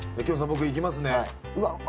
僕いきますね